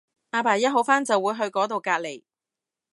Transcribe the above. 阿爸一好翻就會去嗰到隔離